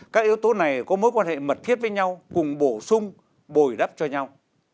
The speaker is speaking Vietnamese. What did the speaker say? các yếu tố này có mối quan hệ mật thiết với nhau cùng bổ sung bồi đắp cho nhau